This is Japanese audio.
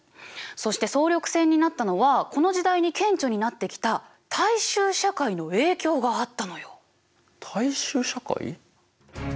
そして総力戦になったのはこの時代に顕著になってきた大衆社会の影響があったのよ。